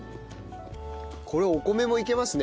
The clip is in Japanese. これお米もいけますね